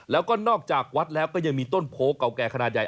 แล้วก็นอกจากวัดแล้วก็ยังมีต้นโพเก่าแก่ขนาดใหญ่